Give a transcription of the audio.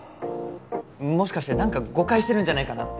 もしかしてなんか誤解してるんじゃないかなって。